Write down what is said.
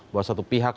buat satu pihak